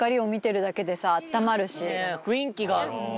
雰囲気がある。